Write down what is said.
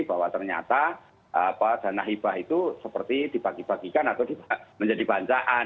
bahwa ternyata dana hibah itu seperti dibagi bagikan atau menjadi bancaan